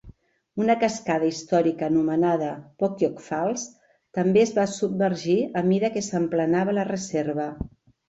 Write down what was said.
Una cascada històrica anomenada Pokiok Falls també es va submergir a mida que s"emplenava la reserva.